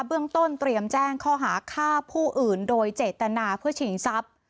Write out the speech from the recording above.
เบื้องต้นเตรียมแจ้งข้อหาฆ่าผู้อื่นโดยเจตนาเพื่อชิงทรัพย์